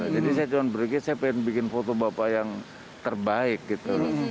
jadi saya cuma berikir saya pengen bikin foto bapak yang terbaik gitu